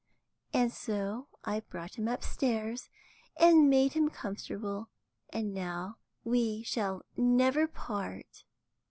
And so I brought him upstairs, and made him comfortable, and now we shall never part.